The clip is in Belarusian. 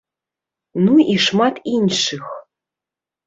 Ну і шмат іншых.